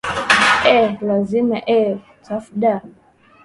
ee lazima ee tfda